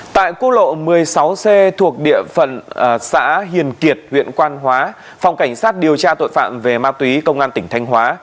tại quốc lộ một mươi sáu c thuộc địa phận xã hiền kiệt huyện quan hóa phòng cảnh sát điều tra tội phạm về ma túy công an tỉnh thanh hóa